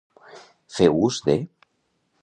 Fer ús de.